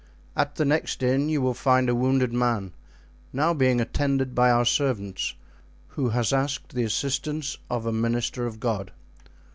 At the next inn you will find a wounded man, now being attended by our servants, who has asked the assistance of a minister of God."